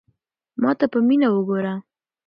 ما ته په مینه وگوره.